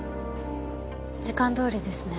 時間通りですね。